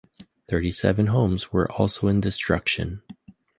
Thirty-seven homes were also in destruction.